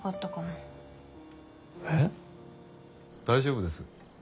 大丈夫です。